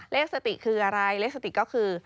เลขสติคืออะไรเลขสติก็คือ